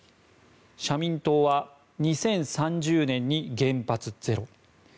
社民党は２０３０年に原発ゼロ。